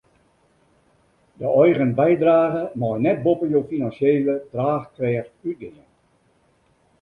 De eigen bydrage mei net boppe jo finansjele draachkrêft útgean.